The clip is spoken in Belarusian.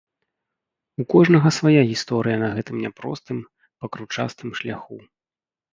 У кожнага свая гісторыя на гэтым няпростым, пакручастым шляху.